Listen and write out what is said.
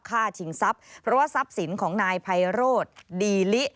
ฆ่าชิงซับเพราะว่าซับศิลส์ของนายไพโรตดีลิ